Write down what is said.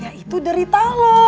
ya itu dari talo